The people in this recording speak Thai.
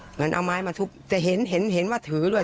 เหมือนเอาไม้มาทุบแต่เห็นเห็นว่าถือด้วย